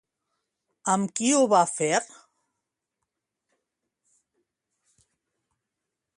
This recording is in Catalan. Amb qui ho va fer?